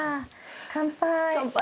乾杯。